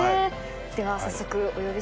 では早速お呼びしましょう。